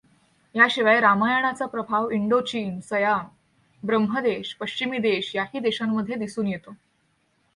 याशिवाय रामायणाचा प्रभाव Indochine, Siam, Brahmadesh, पश्चिमी देश याही देशांमध्ये दिसून येतो.